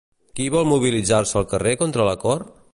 Qui vol mobilitzar-se al carrer contra l'acord?